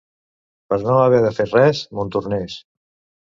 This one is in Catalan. Per a no haver de fer res, Montornès.